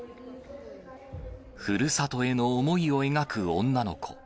ふるさとへの思いを描く女の子。